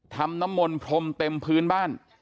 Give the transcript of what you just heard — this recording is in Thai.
น้ำมนต์พรมเต็มพื้นบ้าน